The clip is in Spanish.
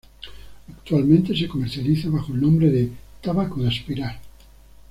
Actualmente se comercializa bajo el nombre de "tabaco de aspirar".